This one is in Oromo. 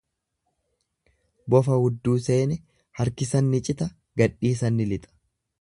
Bofa hudduu seene, harkisan ni cita, gadhiisan ni lixa.